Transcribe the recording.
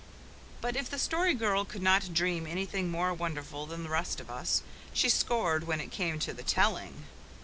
But if the Story Girl could not dream anything more wonderful than the rest of us, she scored when it came to the telling.